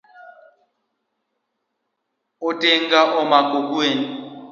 Otenga omako gwen